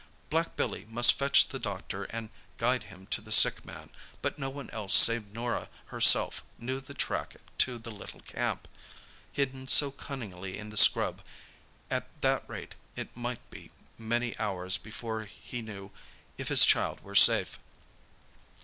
Black Billy must fetch the doctor and guide him to the sick man; but no one else save Norah herself knew the track to the little camp, hidden so cunningly in the scrub, at that rate it might be many hours before he knew if his child were safe.